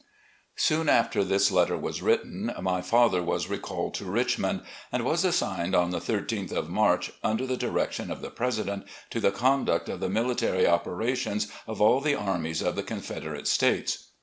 Soon after this letter was written my father was re called to Richmond, "and was assigned on the 13th of March, under the direction of the President, to the conduct of the military operations of aU the armies of the Confederate States."